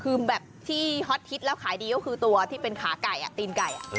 คือแบบที่ฮอตฮิตแล้วขายดีก็คือตัวที่เป็นขาไก่ตีนไก่